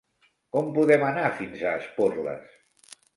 Com podem anar fins a Esporles?